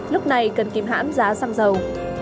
lúc này cần kìm hãm giá xăng dầu